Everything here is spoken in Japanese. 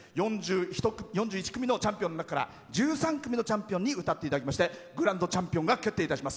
４１組のチャンピオンの中から１３組のチャンピオンに歌っていただきましてグランドチャンピオンが決定いたします。